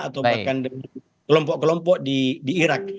atau bahkan kelompok kelompok di irak